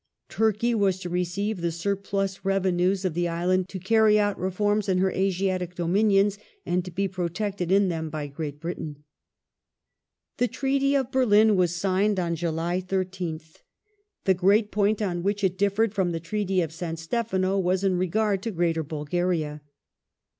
Turkey was to receive the surplus revenues of the Island, to carry out reforms in her Asiatic dominions, arid to be protected in them by Great Britain. The Treaty oF Berlin was signed on July ISth. The great point on which it differed from the Treaty of San Stefano was in regard to '* Greater Bulgaria